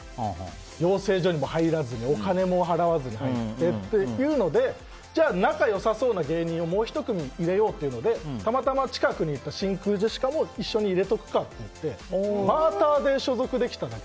養成所にも入らず、お金も払わずに入ってということでじゃあ仲良さそうな芸人をもう１組入れようっていうのでたまたま近くにいた真空ジェシカも一緒に入れておくかっていってバーターで所属できただけ。